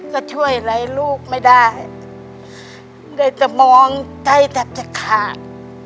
ก็ช่วยไร้ลูกไม่ได้เลยจะมองใจจับจักขาด